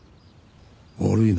悪いな。